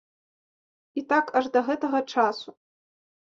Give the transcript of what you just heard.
І так аж да гэтага часу.